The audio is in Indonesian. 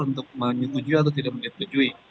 untuk menyetujui atau tidak menyetujui